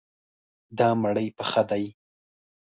دا مړی پخه دی.